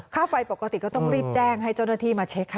ค่าไฟปกติก็ต้องรีบแจ้งให้เจ้าหน้าที่มาเช็คค่ะ